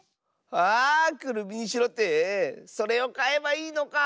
あくるみにしろってそれをかえばいいのか！